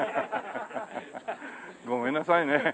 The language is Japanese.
ごめんなさいね。